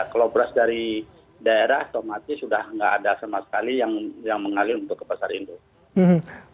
kalau beras dari daerah otomatis sudah tidak ada sama sekali yang mengalir untuk ke pasar induk